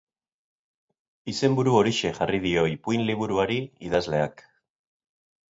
Izenburu horixe jarri dio ipuin liburuari idazleak.